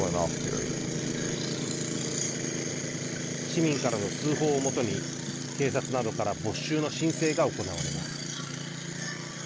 市民からの通報をもとに警察などから没収の申請が行われます。